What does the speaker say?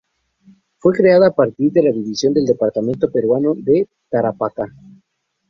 Fue creada a partir de la división del departamento peruano de Tarapacá.